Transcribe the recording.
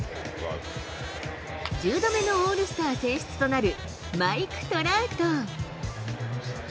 １０度目のオールスター選出となるマイク・トラウト。